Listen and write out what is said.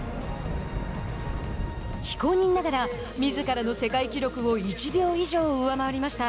非公認ながらみずからの世界記録を１秒以上、上回りました。